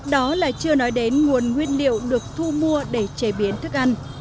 đó là chưa nói đến nguồn nguyên liệu được thu mua để chế biến thức ăn